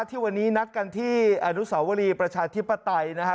ที่วันนี้นัดกันที่อนุสาวรีประชาธิปไตยนะครับ